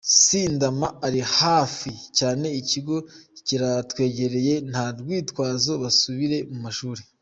S Ndama iri hafi cyane ikigo kiratwegereye nta rwitwazo basubire mu mashuri.